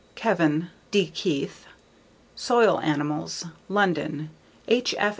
_ Kevan, D. Keith. _Soil Animals. _London: H. F.